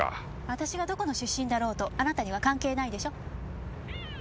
私がどこの出身だろうとあなたには関係ないでしょ！